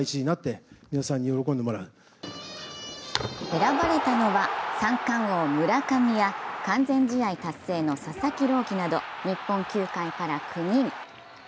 選ばれたのは、三冠王・村上や完全試合達成の佐々木朗希など日本球界から９人。